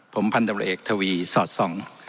ผมพันธุ์ตำรวจเอกทวีสอดส่อง